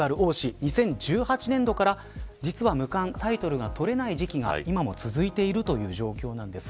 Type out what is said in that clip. ２０１８年度から実は無冠タイトルが取れない時期が今も続いている状況なんです。